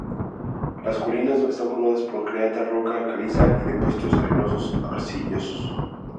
Las colinas están formadas por creta, roca caliza y depósitos arenoso-arcillosos.